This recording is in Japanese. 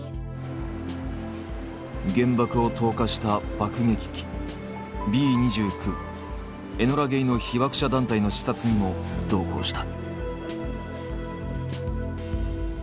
原爆を投下した爆撃機Ｂ２９エノラ・ゲイの被爆者団体の視察にも同行した。